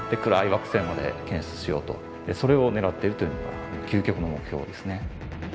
それを狙っているというのが究極の目標ですね。